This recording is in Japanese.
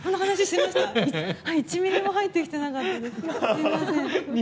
１ミリも入ってこなかった。